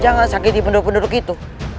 jangan sakiti penduduk penduduk itu